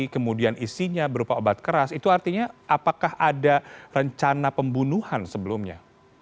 kemudian isinya berupa obat keras itu artinya apakah ada rencana pembunuhan sebelumnya